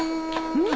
うん？